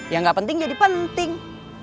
yang gak penting jadi penting